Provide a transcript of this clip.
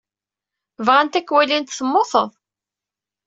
Bɣant ad k-walint temmuteḍ.